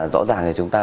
rõ ràng là chúng ta